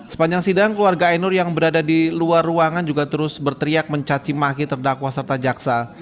sepanjang sidang keluarga ainur yang berada di luar ruangan juga terus berteriak mencacimaki terdakwa serta jaksa